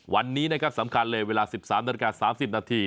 วันนี้สำคัญเลยเวลา๑๓นาที๓๐นาที